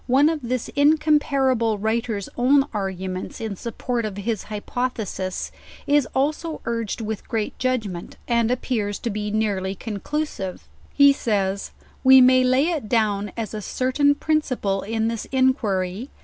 One of this incomparable writer's own argu ments in support of his hypothesis, is also urged with great judgment, and appears to be nearly conclusive. He says, "We may lay it down as a certain principle in this inquiry